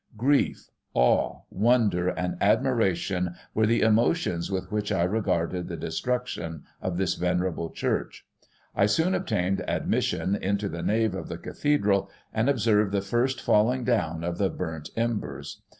Grief, awe, wonder and admiration were the emotions with which I regarded the destruction of this venerable church. I soon obtained admission into the nave of the Cathedral, and observed the first falling down of the burnt embers.